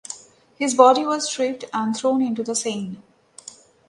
His body was stripped and thrown into the Seine.